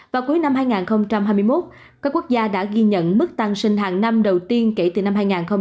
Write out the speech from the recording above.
và cuối năm hai nghìn hai mươi một các quốc gia đã ghi nhận mức tăng sinh hàng năm đầu tiên kể từ năm hai nghìn một mươi năm